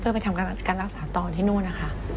เพื่อไปทำการรักษาตอนที่นู่นนะคะ